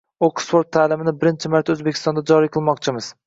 Oksford taʼlimini birinchi marta Oʻzbekistonda joriy qilmoqchimiz.